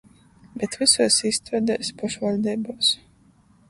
Bet vysuos īstuodēs, pošvaļdeibuos?